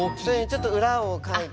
ちょっと裏をかいて。